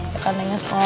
ya kan nengnya sekolah